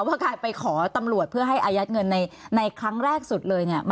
ว่าการไปขอตำรวจเพื่อให้อายัดเงินในครั้งแรกสุดเลยเนี่ย